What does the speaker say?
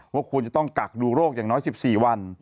ว่าควรจะต้องกักดูโรคอย่างน้อย๑๔วัน